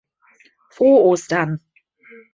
Frohe Ostern.